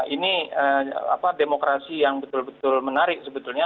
ini demokrasi yang betul betul menarik sebetulnya